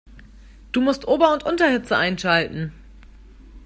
Du musst Ober- und Unterhitze einschalten.